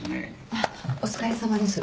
あっお疲れさまです。